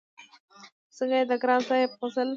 ځکه چې د ګران صاحب غزل